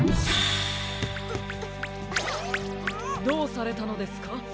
どうされたのですか？